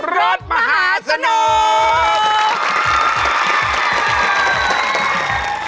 รถมหาสนุก